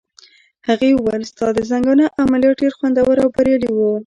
هغې وویل: ستا د زنګانه عملیات ډېر خوندور او بریالي وو.